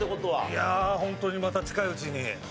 いやあホントにまた近いうちに。